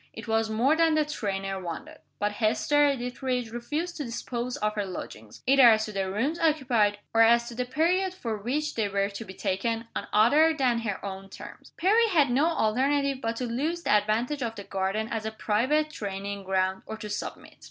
It was more than the trainer wanted; but Hester Dethridge refused to dispose of her lodgings either as to the rooms occupied, or as to the period for which they were to be taken on other than her own terms. Perry had no alternative but to lose the advantage of the garden as a private training ground, or to submit.